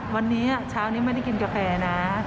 วันนี้เช้านี้ไม่ได้กินกาแฟนะ